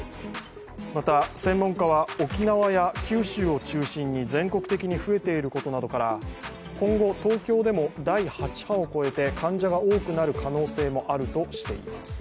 また専門家は沖縄や九州を中心に全国的に増えていることなどから今後、東京でも第８波を超えて患者が多くなる可能性もあるとしています。